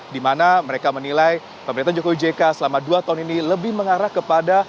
di mana mereka menilai pemerintahan jokowi jk selama dua tahun ini lebih mengarah kepada